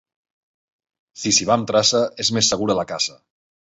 Si s'hi va amb traça és més segura la caça.